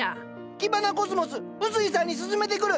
キバナコスモス薄井さんに薦めてくる。